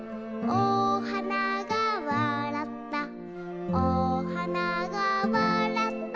「おはながわらったおはながわらった」